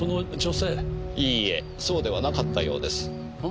いいえそうではなかったようです。え？